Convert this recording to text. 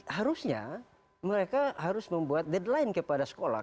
harusnya mereka harus membuat deadline kepada sekolah